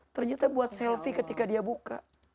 ternyata buat selfie ketika dia buka